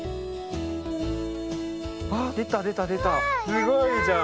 すごいじゃん。